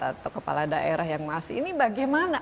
atau kepala daerah yang masih ini bagaimana